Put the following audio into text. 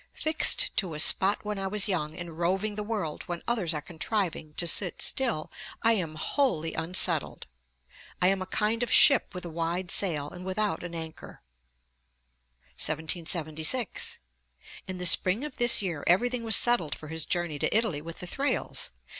Fixed to a spot when I was young, and roving the world when others are contriving to sit still, I am wholly unsettled. I am a kind of ship with a wide sail, and without an anchor.' Ante, ii. 387, note 2. 1776. In the spring of this year everything was settled for his journey to Italy with the Thrales.